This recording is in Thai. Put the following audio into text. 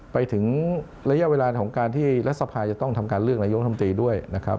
ไปถึงระยะเวลาของการที่รัฐสภาจะต้องทำการเลือกนายกรรมตรีด้วยนะครับ